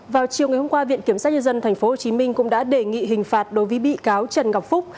vào chiều ngày hôm qua viện kiểm sát nhân dân tp hcm cũng đã đề nghị hình phạt đối với bị cáo trần ngọc phúc